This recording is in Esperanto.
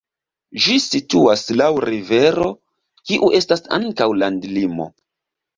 Ĝi situas laŭ rivero, kiu estas ankaŭ landlimo.